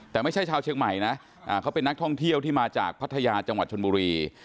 แต่ไม่ใช่ชาวเชียงใหม่นะเขาเป็นนักท่องเที่ยวที่มาจากพัทยาจังหวัดชนบุรี